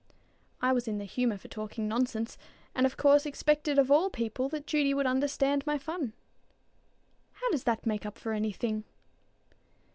I was in the humor for talking nonsense, and of course expected of all people that Judy would understand my fun. "How does that make up for any thing?"